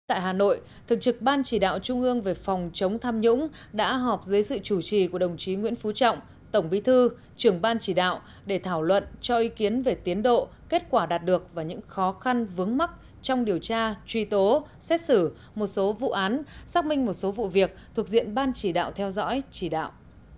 tại hà nội thượng trực ban chỉ đạo trung ương về phòng chống tham nhũng đã họp dưới sự chủ trì của đồng chí nguyễn phú trọng tổng bí thư trường ban chỉ đạo để thảo luận cho ý kiến về tiến độ kết quả đạt được và những khó khăn vướng mắt trong điều tra truy tố xét xử một số vụ án xác minh một số vụ việc thuộc diện ban chỉ đạo theo dõi chỉ đạo